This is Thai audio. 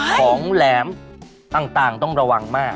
ของแหลมต่างต้องระวังมาก